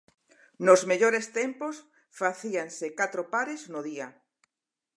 Nos mellores tempos, facíanse catro pares no día.